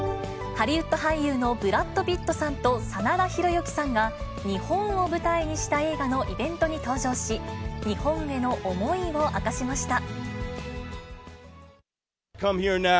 ハリウッド俳優のブラッド・ピットさんと真田広之さんが、日本を舞台にした映画のイベントに登場し、日本への思いを明かしました。